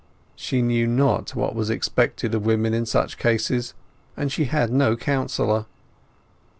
She knew not what was expected of women in such cases; and she had no counsellor.